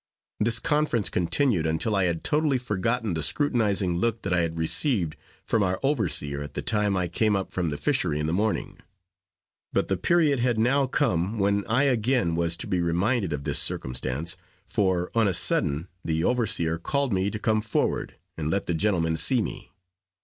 This conference continued until I had totally forgotten the scrutinizing look that I had received from our overseer at the time I came up from the fishery in the morning; but the period had now come when I again was to be reminded of this circumstance, for on a sudden the overseer called me to come forward and let the gentlemen see me.